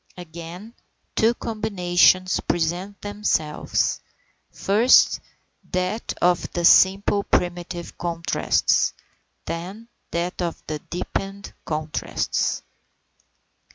Again, two combinations present themselves; first that of the simple primitive contrasts, then that of the deepened contrasts.